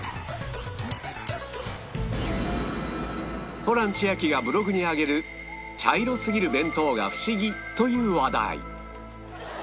ホラン千秋がブログにあげる茶色すぎる弁当がフシギという話題